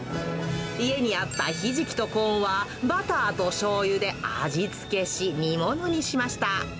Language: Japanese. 家にあったひじきとコーンはバターとしょうゆで味付けし煮物にしました。